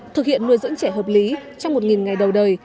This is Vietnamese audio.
thực hiện nuôi dưỡng trẻ hợp lý trong một ngày đầu đời